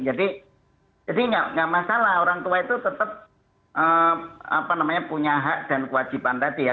jadi tidak masalah orang tua itu tetap punya hak dan kewajiban tadi ya